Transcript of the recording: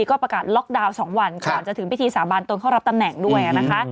ก็ประกาศล็อกดาวน์๒วันก่อนจะถึงพิธีสาบานตนเข้ารับตำแหน่งด้วยนะคะ